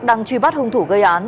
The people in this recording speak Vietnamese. đang truy bắt hung thủ gây án